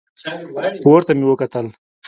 پورته مې وکتل.